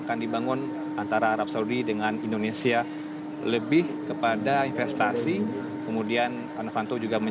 satu empat ratus undangan akan hadir dan akan disuruh kembali ke jakarta